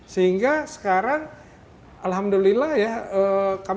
sehingga sekarang alhamdulillah ya kami tidak mengalahkan